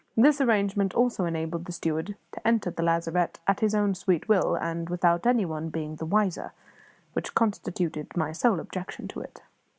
This arrangement also enabled the steward to enter the lazarette at his own sweet will and without any one being the wiser which constituted my sole objection to it.